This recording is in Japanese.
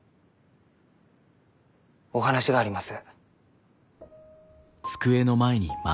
お話があります。